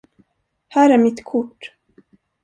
Här är mitt kort.